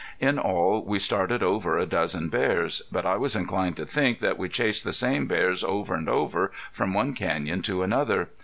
In all we started over a dozen bears. But I was inclined to think that we chased the same bears over and over from one canyon to another.